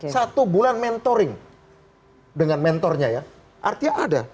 satu bulan mentoring dengan mentornya ya artinya ada